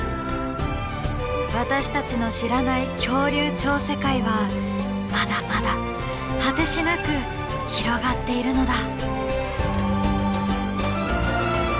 私たちの知らない恐竜超世界はまだまだ果てしなく広がっているのだ。